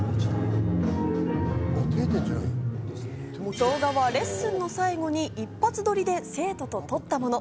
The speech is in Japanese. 動画はレッスンの最後に一発撮りで生徒と撮ったもの。